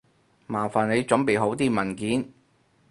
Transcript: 麻煩你準備好啲文件